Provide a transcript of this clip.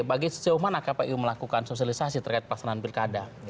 bagi sejauh mana kpu melakukan sosialisasi terkait pelaksanaan pilkada